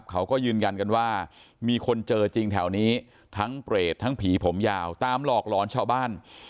เขาก็ยืนยันกันว่ามีคนเจอจริงแถวนี้ทั้งเปรตทั้งผีผมยาวตามหลอกหลอนชาวบ้าน